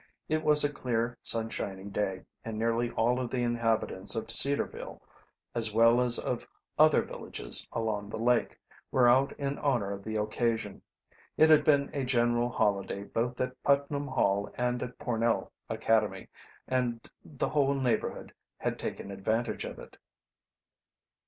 It was a clear, sunshiny day, and nearly all of the inhabitants of Cedarville, as well as of other villages along the lake, were out in honor of the occasion. It had been a general holiday both at Putnam Hall and at Pornell Academy, and the whole neighborhood had taken advantage of it.